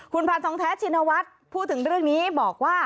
คุณพันธองแท้ชินวัฒน์พูดถึงเรื่องนี้บอกว่า